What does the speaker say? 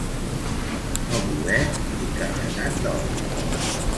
No voler ni carregat d'or.